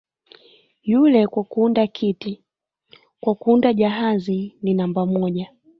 "Yule kwa kuunda kiti, kwa kuunda jahazi ni namba moja"